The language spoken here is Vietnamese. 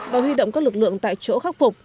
và huy động các lực lượng tại chỗ khắc phục